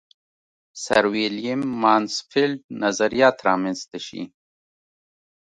سرویلیم مانسفیلډ نظریات را منځته شي.